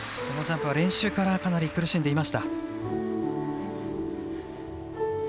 このジャンプは練習からかなり苦しんでいました。